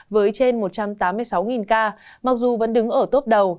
với trên một trăm tám mươi sáu ca mặc dù vẫn đứng ở tốp đầu